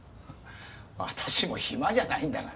私も暇じゃないんだがね。